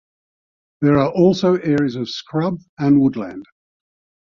There are also areas of scrub and woodland.